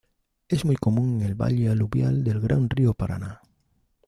Es muy común en el Valle aluvial del gran Río Paraná.